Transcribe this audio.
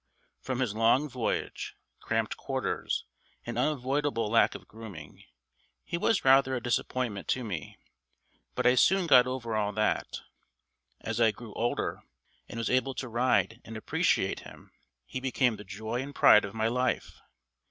From his long voyage, cramped quarters, and unavoidable lack of grooming, he was rather a disappointment to me, but I soon got over all that. As I grew older, and was able to ride and appreciate him, he became the joy and pride of my life.